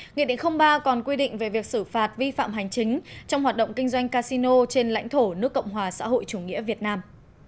nghị định ba còn quy định về việc xử phạt vi phạm hành chính trong hoạt động kinh doanh casino trên lãnh thổ nước cộng hòa xã hội chủ nghĩa việt nam